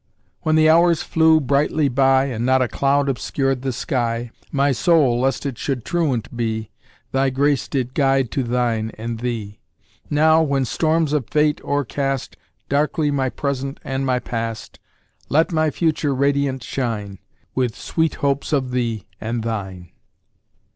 When the Hours flew brightly by, And not a cloud obscured the sky, My soul, lest it should truant be, Thy grace did guide to thine and thee! Now, when storms of Fate o'ercast Darkly my Present and my Past, Let my future radiant shine With sweet hopes of thee and thine!